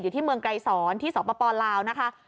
ที่เมืองไกรศรที่สปลาวนะคะ